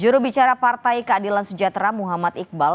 jurubicara partai keadilan sejahtera muhammad iqbal